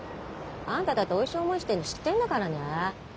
あんただっておいしい思いしてるの知ってんだからね。